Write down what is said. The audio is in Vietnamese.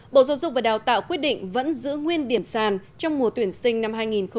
bộ giáo dục và đào tạo quyết định vẫn giữ nguyên điểm sàn trong mùa tuyển sinh năm hai nghìn hai mươi